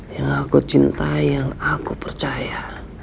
yang aku cintai yang aku percaya